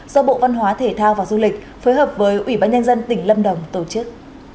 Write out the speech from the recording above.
do bộ văn hóa thể thao và du lịch phối hợp với ủy ban nhân dân tỉnh lâm đồng tổ chức